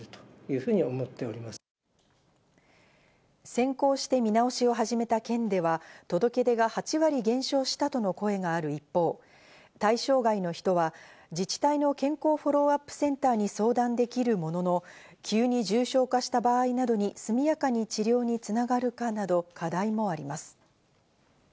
先行して見直しを始めた県では届け出が８割減少したとの声がある一方、対象外の人は自治体の健康フォローアップセンターに相談できるものの、急に重症化した場合などに速やかに治療に繋がるかなど、課題もあります。